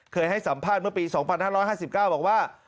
ให้สัมภาษณ์เมื่อปี๒๕๕๙บอกว่า